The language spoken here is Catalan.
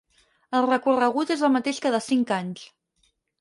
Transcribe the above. El recorregut és el mateix cada cinc anys.